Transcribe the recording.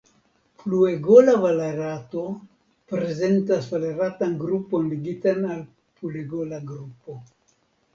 Pulegola valerato prezentas valeratan grupon ligitan al pulegola grupo.